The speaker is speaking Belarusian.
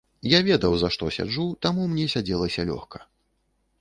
Я ведаў за што сяджу, таму мне сядзелася лёгка.